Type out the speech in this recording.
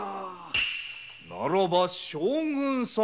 ならば将軍様に。